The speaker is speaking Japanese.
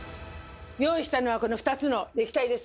用意したのはこの２つの液体です。